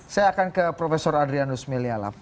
saya akan ke prof adrianus melialap